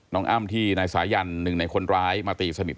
อ้ำที่นายสายันหนึ่งในคนร้ายมาตีสนิท